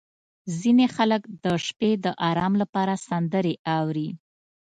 • ځینې خلک د شپې د ارام لپاره سندرې اوري.